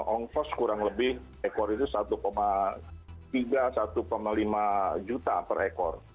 ongkos kurang lebih ekor itu satu tiga satu lima juta per ekor